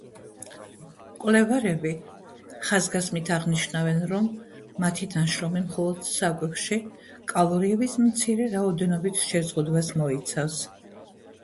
მკვლევარები ხაზგასმით აღნიშნავენ, რომ მათი ნაშრომი მხოლოდ საკვებში კალორიების მცირე რაოდენობით შეზღუდვას მოიცავს.